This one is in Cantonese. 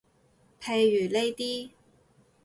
譬如呢啲